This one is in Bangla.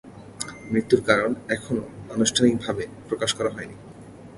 মৃত্যুর কারণ এখনও আনুষ্ঠানিক ভাবে প্রকাশ করা হয়নি।